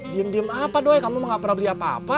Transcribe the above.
diem diem apa doi kamu mah nggak pernah beli apa apa